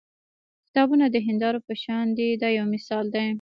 کتابونه د هیندارو په شان دي دا یو مثال دی.